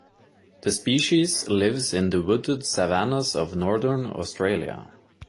The species lives in the wooded savannas of northern Australia.